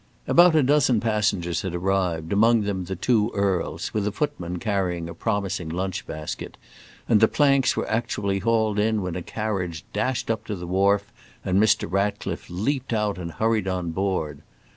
About a dozen passengers had arrived, among them the two Earls, with a footman carrying a promising lunch basket, and the planks were actually hauled in when a carriage dashed up to the wharf, and Mr. Ratcliffe leaped out and hurried on board.